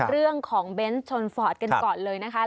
เรื่องของเบนส์ชนฟอร์ดกันก่อนเลยนะคะ